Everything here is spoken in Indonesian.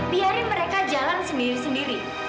biarin mereka jalan sendiri sendiri